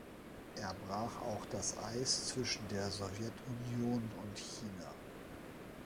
Er brach auch das Eis zwischen der Sowjetunion und China.